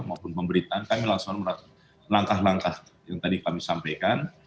maupun pemberitaan kami langsung melakukan langkah langkah yang tadi kami sampaikan